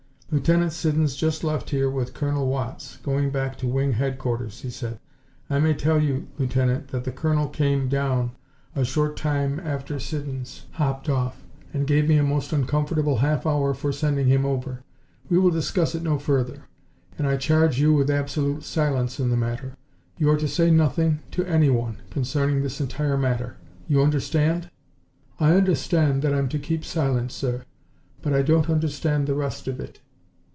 "Lieutenant Siddons just left here with Colonel Watts, going back to Wing headquarters," he said. "I may tell you, Lieutenant, that the Colonel came down a short time after Siddons hopped off, and gave me a most uncomfortable half hour for sending him over. We will discuss it no further, and I charge you with absolute silence in the matter. You are to say nothing, to anyone, concerning this entire matter. You understand?" "I understand that I'm to keep silent, sir but I don't understand the rest of it."